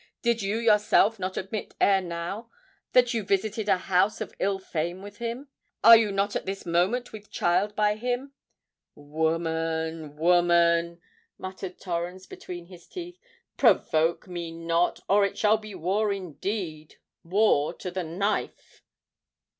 —did you yourself not admit ere now that you visited a house of ill fame with him?—and are you not at this moment with child by him? Woman—woman," muttered Torrens between his teeth, "provoke me not,—or it shall be war indeed—war to the knife!"